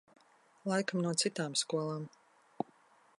Laikam no citām skolām.